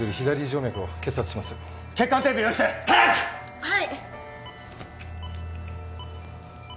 はい。